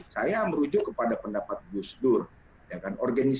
saya merujuk kepada pendapat gus dur